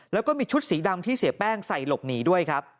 แล้วก็มีชุดสีดำที่เสียแป้งใส่หลบหนีด้วยครับ